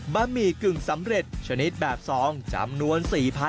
บะหมี่กึ่งสำเร็จชนิดแบบ๒จำนวน๔๐๐